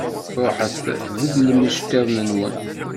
Ṛuḥem beddlem iceṭṭiḍen-nwen.